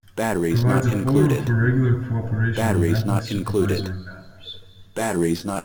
It provides a forum for regular cooperation on banking supervisory matters.